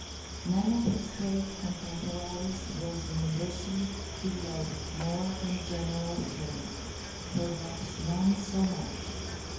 NONE of his great contemporaries was universally beloved more than General Sherman, perhaps none so much.